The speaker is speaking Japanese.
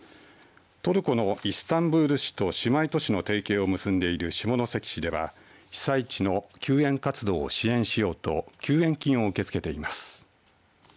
トルコのイスタンブール市と姉妹都市の提携を結んでいる下関市では被災地の救援活動を支援しようと救援金を受け付けています。